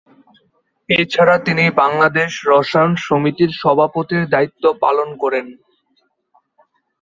এছাড়া তিনি বাংলাদেশ রসায়ন সমিতির সভাপতির দায়িত্ব পালন করেন।